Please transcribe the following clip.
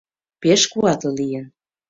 Пеш куатле лийын.